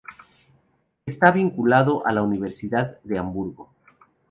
Está vinculado a la Universidad de Hamburgo.